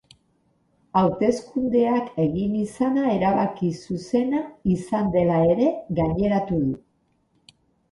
Hauteskundeak egin izana erabaki zuzena izan dela ere gaineratu du.